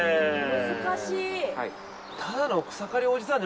難しい。